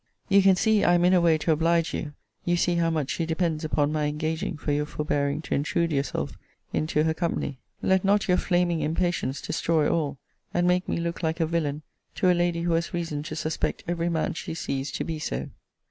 You can see I am in a way to oblige you: you see how much she depends upon my engaging for your forbearing to intrude yourself into her company: let not your flaming impatience destroy all; and make me look like a villain to a lady who has reason to suspect every man she sees to be so.